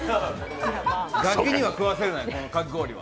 ガキには食わせない、このかき氷は。